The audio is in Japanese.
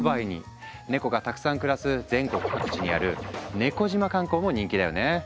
ネコがたくさん暮らす全国各地にある「猫島観光」も人気だよね。